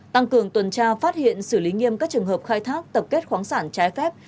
tăng cường tuần tra phát hiện xử lý nghiêm các trường hợp khai thác tập kết khoáng sản trái phép